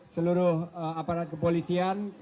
seluruh aparat kepolisian